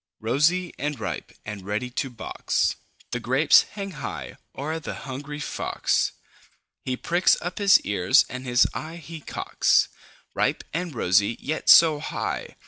Rosy and ripe, and ready to box, The grapes hang high o'er the hungry Fox. He pricks up his ears, and his eye he cocks. Ripe and rosy, yet so high!